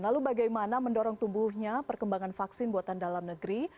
lalu bagaimana mendorong tumbuhnya perkembangan vaksin buatan dalam negeri